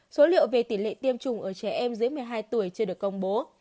số liệu về tỷ lệ tiêm chủng ở trẻ em dưới một mươi hai tuổi chưa được công bố